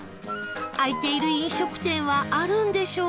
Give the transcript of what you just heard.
開いている飲食店はあるんでしょうか？